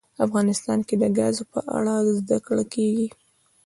افغانستان کې د ګاز په اړه زده کړه کېږي.